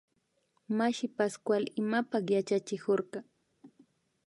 Mashi Pascual imapak kayachikurka